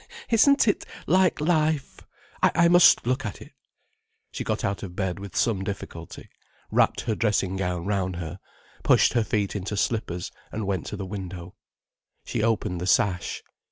Isn't it like life—! I must look at it—" She got out of bed with some difficulty, wrapped her dressing gown round her, pushed her feet into slippers, and went to the window. She opened the sash.